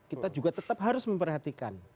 kita juga tetap harus memperhatikan